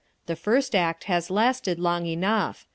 The first act has lasted long enough.